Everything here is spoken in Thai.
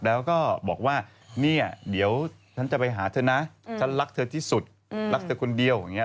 แล้วก็บอกว่าเนี่ยเดี๋ยวฉันจะไปหาเธอนะฉันรักเธอที่สุดรักเธอคนเดียวอย่างนี้